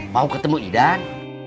mau ketemu idan